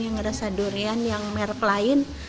yang ngerasa durian yang merk lain